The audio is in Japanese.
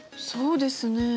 そうですね。